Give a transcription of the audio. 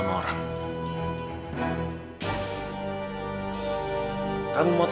orang lo yg gemar bisa dianggil mager